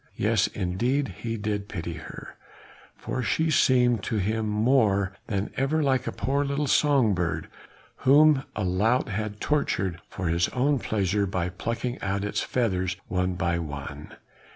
Yes, indeed he did pity her, for she seemed to him more than ever like that poor little song bird whom a lout had tortured for his own pleasure by plucking out its feathers one by one.